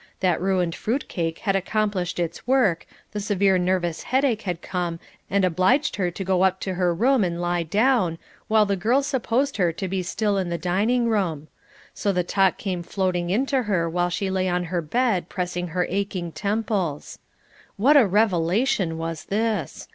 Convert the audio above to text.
That ruined fruitcake had accomplished its work, the severe nervous headache had come and obliged her to go up to her room and lie down, while the girls supposed her to be still in the dining room; so the talk came floating in to her while she lay on her bed pressing her aching temples. What a revelation was this!